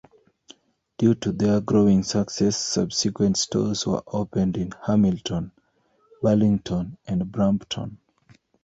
Due to their growing success, subsequent stores were opened in Hamilton, Burlington and Brampton.